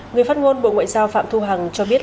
người phát ngôn bộ ngoại giao phạm thu hằng cho biết